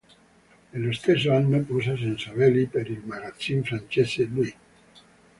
Nello stesso anno posa senza veli per il magazine francese "Lui".